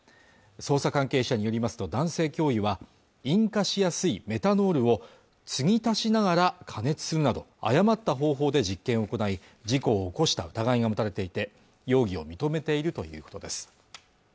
捜査関係者によりますと男性教諭は引火しやすいメタノールを継ぎ足しながら加熱するなど誤った方法で実験を行い事故を起こした疑いが持たれていて容疑を認めているということです